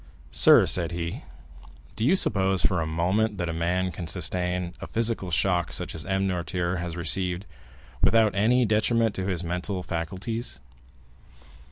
"Sir," said he, "do you suppose for a moment that a man can sustain a physical shock, such as M. Noirtier has received, without any detriment to his mental faculties?"